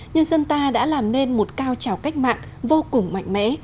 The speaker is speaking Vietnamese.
nhân dân ta đã làm nên một cao trào cách mạng vô cùng mạnh mẽ